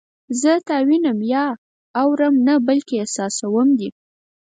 زه تا وینم یا اورم نه بلکې احساسوم دې